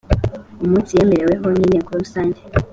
umunsi yemereweho n inteko rusange